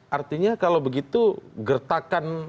artinya kalau begitu gertakan